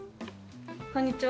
こんにちは。